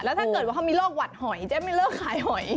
ถ้าเกิดว่าเขามีโรคหวัดหอยเจ๊ไม่เลิกขายหอย